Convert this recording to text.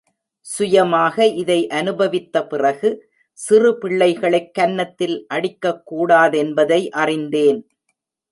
சுயமாக இதை அனுபவித்த பிறகு, சிறு பிள்ளைகளைக் கன்னத்தில் அடிக்கக்கூடா தென்பதை அறிந்தேன்!